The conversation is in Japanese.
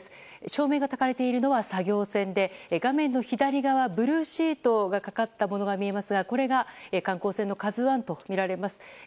照明がたかれているのは作業船で画面の左側、ブルーシートがかかったものが見えますがこれが、観光船の「ＫＡＺＵ１」とみられます。